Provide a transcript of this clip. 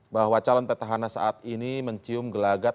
bahwa calon petahana saat ini mencium gelagat